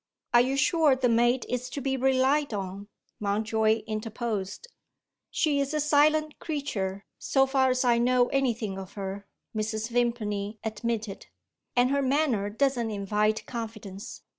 "Are you sure the maid is to be relied on?" Mountjoy interposed. "She is a silent creature, so far as I know anything of her," Mrs. Vimpany admitted; "and her manner doesn't invite confidence.